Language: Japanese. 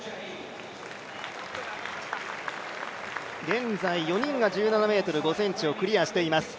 現在４人が１７ｍ５ｃｍをクリアしています。